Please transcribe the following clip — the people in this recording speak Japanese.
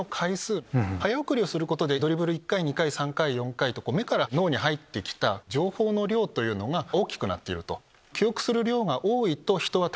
早送りをすることでドリブル１回２回３回４回と目から脳に入ってきた情報の量が大きくなっている。